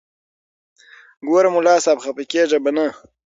ګوره ملا صاحب خپه کېږې به نه.